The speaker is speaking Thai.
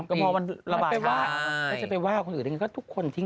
ก็พอมันระบายไม่ใช่ไปว่าคนอื่นก็ทุกคนทิ้ง